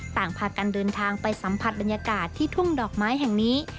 ต่างพากันเดินทางไปสัมผัสบรรยากาศที่ทุ่งดอกไม้แห่งนี้